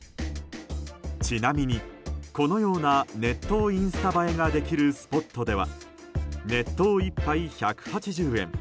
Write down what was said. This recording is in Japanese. ちなみに、このような熱湯インスタ映えができるスポットでは熱湯１杯１８０円。